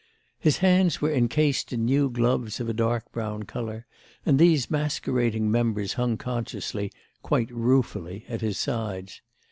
His hands were encased in new gloves of a dark brown colour, and these masquerading members hung consciously, quite ruefully, at his sides.